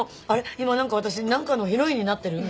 今なんか私なんかのヒロインになってる？みたいな。